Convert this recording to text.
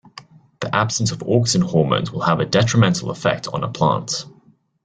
The absence of auxin hormones will have a detrimental effect on a plant.